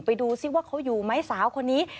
ไปดูซิว่าเขาอยู่ไหมสาวคนนี้